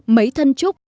mấy thân trúc